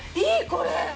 これ。